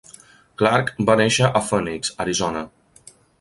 Clarke va néixer a Phoenix, Arizona.